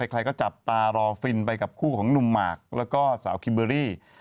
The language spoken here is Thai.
ใครก็จับตารอฟินไปกับคู่ของหนุ่มหมากแล้วก็สาวคิมเบอรี่